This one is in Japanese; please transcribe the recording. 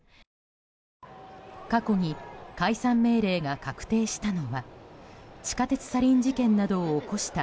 過去に解散命令が確定したのは地下鉄サリン事件などを起こした